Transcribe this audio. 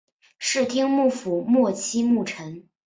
室町幕府末期幕臣。